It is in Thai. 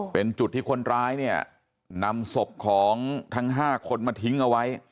เป็นจุดที่คนร้ายเนี่ยนำศพของทั้ง๕คนมาทิ้งเอาไว้